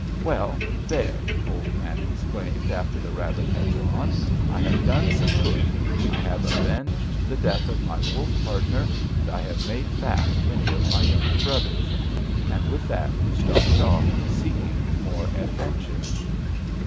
"'Well, there!' Old Man exclaimed, after the rabbit had gone. 'I have done some good. I have avenged the death of my wolf partner and have made fat many of my younger brothers!' And with that he started off seeking more adventures.